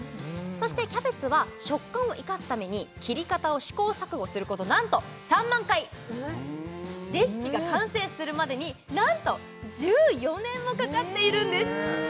そしてキャベツは食感を生かすために切り方を試行錯誤することなんと３万回レシピが完成するまでになんと１４年もかかっているんですへえ